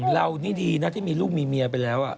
เรานี่ดีนะที่มีลูกมีเมียไปแล้ว